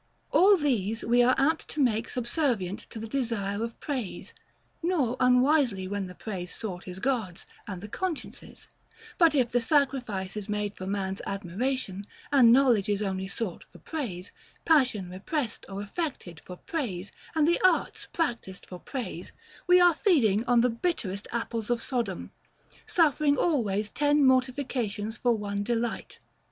§ XXX. All these we are apt to make subservient to the desire of praise; nor unwisely, when the praise sought is God's and the conscience's: but if the sacrifice is made for man's admiration, and knowledge is only sought for praise, passion repressed or affected for praise, and the arts practised for praise, we are feeding on the bitterest apples of Sodom, suffering always ten mortifications for one delight.